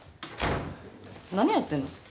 何やってんの？